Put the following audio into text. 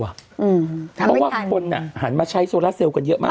เพราะว่าคนหันมาใช้โซลาเซลลกันเยอะมาก